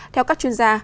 theo các chuyên gia